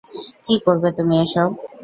কী করবে তুমি এসব?